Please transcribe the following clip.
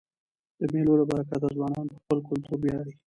د مېلو له برکته ځوانان په خپل کلتور وياړي.